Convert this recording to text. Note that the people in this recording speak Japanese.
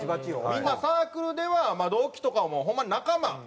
みんなサークルでは同期とかもホンマに仲間。